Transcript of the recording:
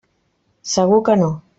Segur que no.